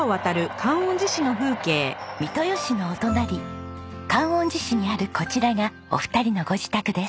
三豊市のお隣観音寺市にあるこちらがお二人のご自宅です。